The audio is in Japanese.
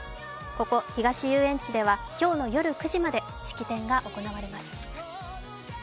ここ東遊園地では今日の夜９時まで式典が行われます。